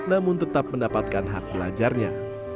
namun tetap mendapatkan hak belajarnya